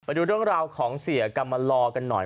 ดูเรื่องราวของเสียกรรมลอกันหน่อย